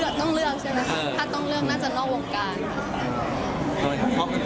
อเรนนี่ถ้าต้องเลือกใช่ไหม